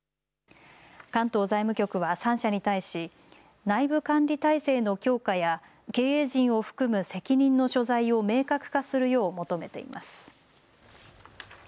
関東財務局は３社に対し内部管理態勢の強化や経営陣を含む責任の所在を明確化するよう求めています。